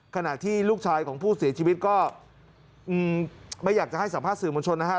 ขณะที่ลูกชายของผู้เสียชีวิตก็ไม่อยากจะให้สัมภาษณสื่อมวลชนนะฮะ